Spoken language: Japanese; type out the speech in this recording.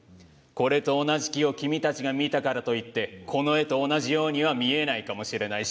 これと同じ木を君たちが見たからといってこの絵と同じようには見えないかもしれない。